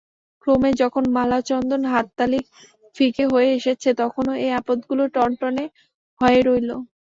ক্রমে যখন মালাচন্দন হাততালি ফিকে হয়ে এসেছে তখনো এ আপদগুলো টনটনে হয়ে রইল।